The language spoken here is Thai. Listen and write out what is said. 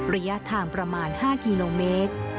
ระยะทางประมาณ๕กิโลเมตร